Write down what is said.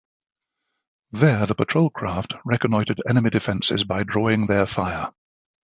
There, the patrol craft reconnoitered enemy defenses by drawing their fire.